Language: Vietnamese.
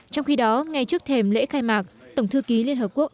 trong khi đó ngay trước thềm lễ khai mạc tổng thư ký liên hợp quốc